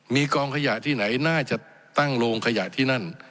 มีกองขยะที่ไหนน่าจะตั้งโรงขยะที่นั่น